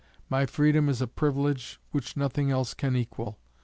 My freedom is a privilege which nothing else can equal.